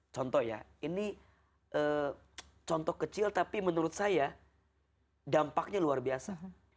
contoh ya ini contoh kecil tapi menurut saya dampaknya luar biasa